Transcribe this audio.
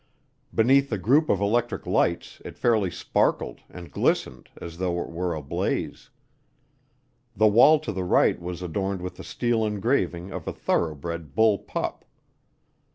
Beneath the group of electric lights it fairly sparkled and glistened as though it were ablaze. The wall to the right was adorned with a steel engraving of a thoroughbred bull pup.